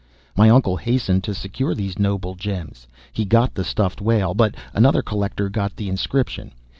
My uncle hastened to secure these noble gems. He got the stuffed whale, but another collector got the inscription.